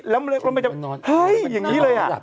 เฮ้ยอย่างงี้เลย